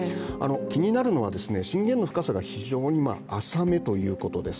気になるのは、震源の深さが非常に浅めということです。